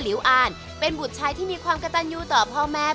อ่านเป็นบุตรชายที่มีความกระตันยูต่อพ่อแม่